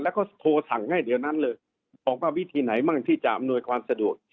แล้วก็โทรสั่งให้เดี๋ยวนั้นเลยออกมาวิธีไหนบ้างที่จะอำนวยความสะดวก